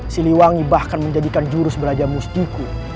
siliwangi bahkan menjadikan jurus brajamustiku